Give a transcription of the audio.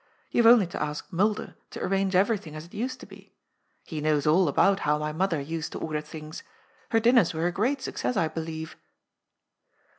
You have only to ask Mulder to arrange everything, as it used to be. He knows all about how my mother used to order things. Her din ners were a great success, I believe."